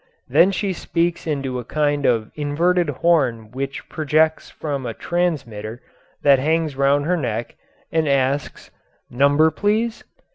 Then she speaks into a kind of inverted horn which projects from a transmitter that hangs round her neck and asks: "Number, please?"